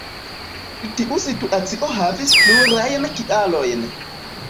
Tiu situacio havis plurajn kialojn.